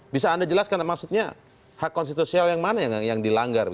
bisa anda jelaskan maksudnya hak konstitusional yang mana yang dilanggar